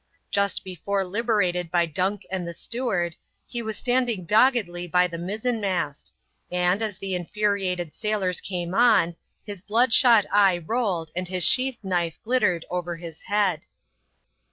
Just before liberated by Dunk and the steward, he was standing doggedly by the mizen mast ; and, as the infuriated sailors came on, his bloodshot eye rolled, and his sheath knife glittered over his head.